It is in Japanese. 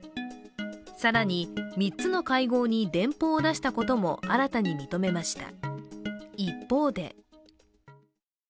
更に、３つの会合に電報を出したことも新たに認めました。